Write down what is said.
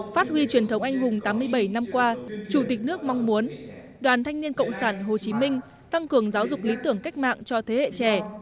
phát huy truyền thống anh hùng tám mươi bảy năm qua chủ tịch nước mong muốn đoàn thanh niên cộng sản hồ chí minh tăng cường giáo dục lý tưởng cách mạng cho thế hệ trẻ